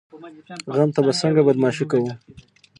غم ته به څنګه بدماشي کوو؟